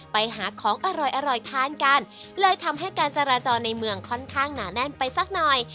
ไปหาของอร่อยอร่อยทานกันเลยทำให้การจราจรในเมืองค่อนข้างหนาแน่นไปสักหน่อย